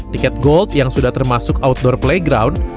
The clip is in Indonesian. tiket gold yang sudah termasuk outdoor playground